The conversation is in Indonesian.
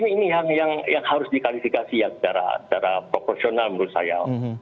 ini yang harus dikalifikasi secara proporsional menurut saya